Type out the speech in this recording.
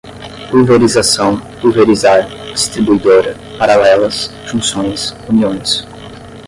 pulverização, pulverizar, distribuidora, paralelas, junções, uniões